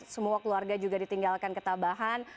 semua keluarga juga ditinggalkan ketabahan